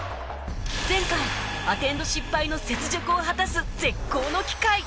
前回アテンド失敗の雪辱を果たす絶好の機会